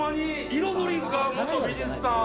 彩りが元美術さん。